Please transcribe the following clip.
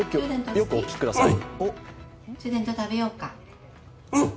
よくお聞きください。